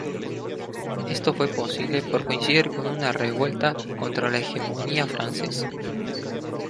Esto fue posible por coincidir con una revuelta contra la hegemonía francesa.